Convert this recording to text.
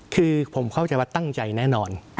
คือผมเข้าใจว่าตั้งใจแน่นอน